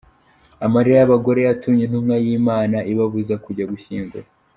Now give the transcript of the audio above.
Amarira y’abagore yatumye Intumwa y’Imana ibabuza kujya gushyingura.